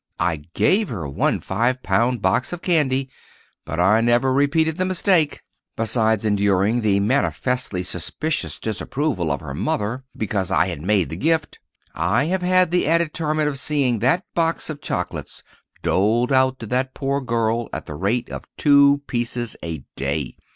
I gave her one five pound box of candy, but I never repeated the mistake. Besides enduring the manifestly suspicious disapproval of her mother because I had made the gift, I have had the added torment of seeing that box of chocolates doled out to that poor child at the rate of two pieces a day.